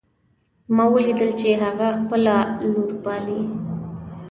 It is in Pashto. ما ولیدل چې هغه خپله لور پالي